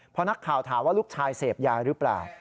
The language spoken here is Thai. พอนักข่าวถามว่าลูกชายเสพยาหรือเปล่า